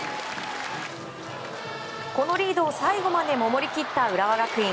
このリードを最後まで守り切った浦和学院。